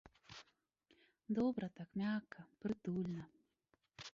Добра так, мякка, прытульна.